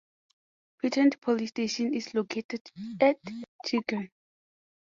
Pirtand police station is located at Chirki.